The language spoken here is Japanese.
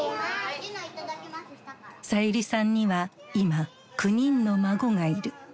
さゆりさんには今９人の孫がいる。